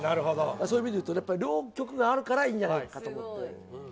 そういう意味でいうと、両局があるからいいんじゃないかと。